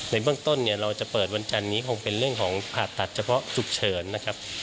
ในเบื้องต้นเนี่ยเราจะเปิดวันจันนี้คงเป็นเรื่องของผ่าตัดเฉพาะฉุกเฉินนะครับ